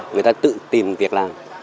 người ta tự tìm việc làm